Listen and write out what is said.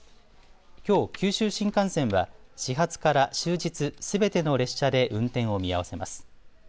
きょう九州新幹線は始発から終日、すべての列車で運転を見合わせます。